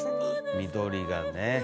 緑がね。